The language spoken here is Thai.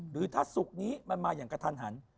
หรือถ้าศุกร์นี้มันมาอย่างกระทันหัน